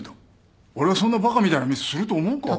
俺がそんなバカみたいなミスすると思うか？